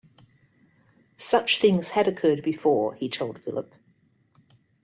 Such things had occurred before, he told Philip.